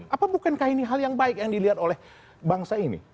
apa bukankah ini hal yang baik yang dilihat oleh bangsa ini